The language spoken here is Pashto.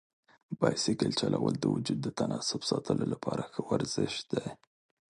بایسکل چلول د وجود د تناسب ساتلو لپاره ښه ورزش دی.